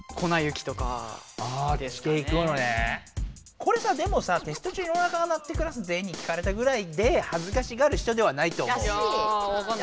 これさでもさテスト中におなかが鳴ってクラス全員に聞かれたぐらいではずかしがる人ではないと思うおれは。だし！だし！だし！